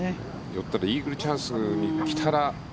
寄ったらイーグルチャンスに来たら。